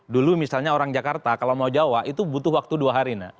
dulu misalnya orang jakarta kalau mau jawa itu butuh waktu dua hari nak